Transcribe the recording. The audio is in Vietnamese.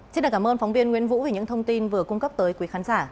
xin cảm ơn phóng viên nguyễn vũ vì những thông tin vừa cung cấp tới quý khán giả